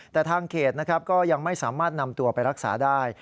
แต่ทางเขตนะครับก็ยังไม่สามารถนำตัวไปรักษาได้